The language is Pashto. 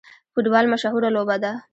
فوټبال مشهوره لوبه ده